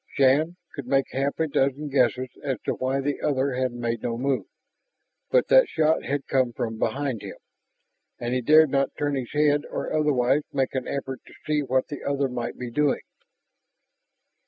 Shann could make half a dozen guesses as to why the other had made no move, but that shot had come from behind him, and he dared not turn his head or otherwise make an effort to see what the other might be doing.